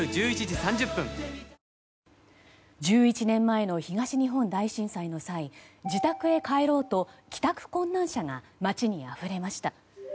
１１年前の東日本大震災の際自宅へ帰ろうと帰宅困難者が街にあふれました。